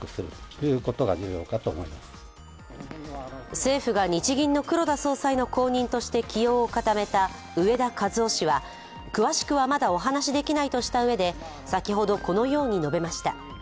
政府が日銀の黒田総裁の後任として起用を固めた植田和男氏は、詳しくはまだお話しできないと述べたうえで先ほど、このように述べました。